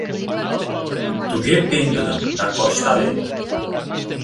Туге пеҥгыдын да корштарен.